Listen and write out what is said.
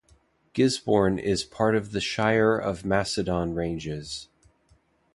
Gisborne is part of the Shire of Macedon Ranges.